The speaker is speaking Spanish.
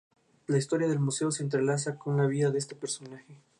La historia del museo se entrelaza con la vida de este personaje.